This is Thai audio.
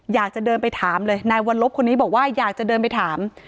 อยากจะเดินไปถามเลยนายวัลลบคนนี้บอกว่าอยากจะเดินไปถาม